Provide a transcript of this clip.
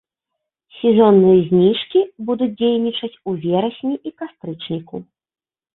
Сезонныя зніжкі будуць дзейнічаць у верасні і кастрычніку.